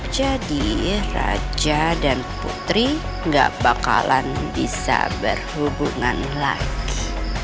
jadi raja dan putri gak bakalan bisa berhubungan lagi